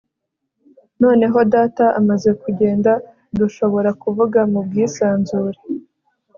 Noneho Data amaze kugenda dushobora kuvuga mubwisanzure